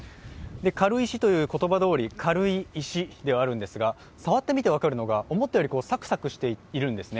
軽石という言葉どおり、軽い石なんですが触ってみて分かるのが思ったよりサクサクしているんですね。